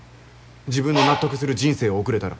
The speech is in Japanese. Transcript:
自分の納得する人生を送れたら。